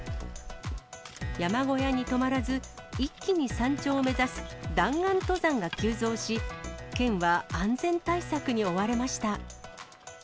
山小屋に泊まらず、一気に山頂を目指す弾丸登山が急増し、県は安全対策に追われました。